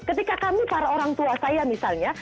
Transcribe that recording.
ketika kami para orang tua saya misalnya